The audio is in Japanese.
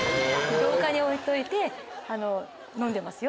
廊下に置いといて飲んでますよ